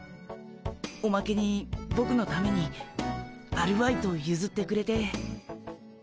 おまけにボクのためにアルバイトをゆずってくれて。